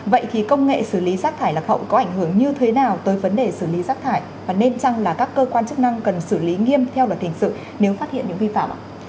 vậy thì công nghệ xử lý rác thải lạc hậu có ảnh hưởng như thế nào tới vấn đề xử lý rác thải và nên chăng là các cơ quan chức năng cần xử lý nghiêm theo luật hình sự nếu phát hiện những vi phạm